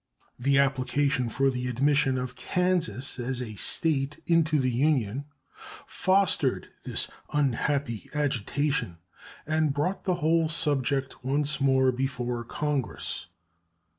The application for the admission of Kansas as a State into the Union fostered this unhappy agitation and brought the whole subject once more before Congress.